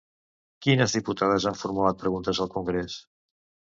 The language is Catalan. Quines diputades han formulat preguntes al congrés?